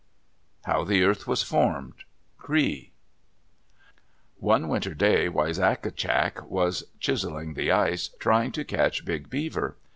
HOW THE EARTH WAS FORMED Cree One winter day Wisagatcak was chiseling the ice, trying to catch Big Beaver.